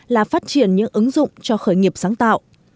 là phát triển những ứng dụng cho khởi nghiệp sáng tạo